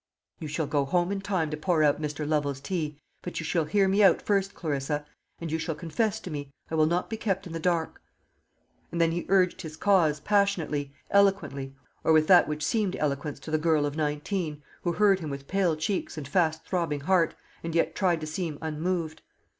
"You shall go home in time to pour out Mr. Lovel's tea; but you shall hear me out first, Clarissa, and you shall confess to me. I will not be kept in the dark." And then he urged his cause, passionately, eloquently, or with that which seemed eloquence to the girl of nineteen, who heard him with pale cheeks and fast throbbing heart, and yet tried to seem unmoved.